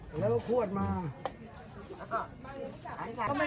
ก็ไม่รู้ค่ะพวกมันกินหัวมึงเลยมึงยังหลับกันดิ